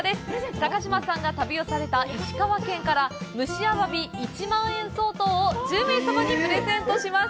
高島さんが旅をされた石川県から、蒸しアワビ１万円相当を１０名様にプレゼントします。